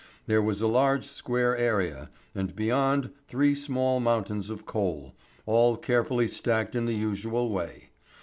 There was a large square area and beyond three small mountains of coal, all carefully stacked in the usual way.